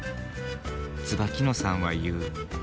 椿野さんは言う。